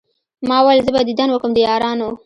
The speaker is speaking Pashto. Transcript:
ما ول زه به ديدن وکم د يارانو